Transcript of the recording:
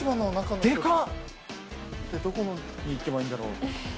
どこに行けばいいんだろう？